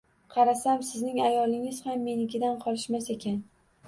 Qarasam, sizning ayolingiz ham menikidan qolishmas ekan.